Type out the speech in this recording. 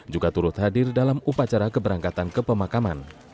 juga turut hadir dalam upacara keberangkatan ke pemakaman